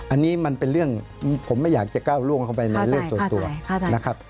อันนี้มันเป็นเรื่องผมไม่อยากจะก้าวล่วงเข้าไปในเรื่องส่วนตัวนะครับ